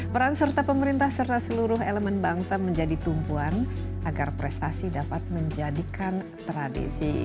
peran serta pemerintah serta seluruh elemen bangsa menjadi tumpuan agar prestasi dapat menjadikan tradisi